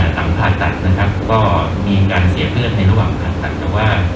ส่วนภาพภาคตัดก็มีการเสียเลือดในระหว่างภาคตัด